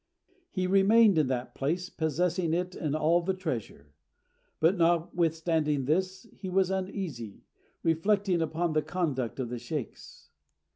He remained in that place, possessing it and all the treasure; but notwithstanding this, he was uneasy, reflecting upon the conduct of the sheykhs.